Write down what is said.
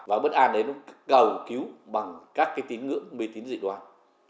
và bất an đấy nó cầu cứu bằng các cái tín ngưỡng mê tín dị đoan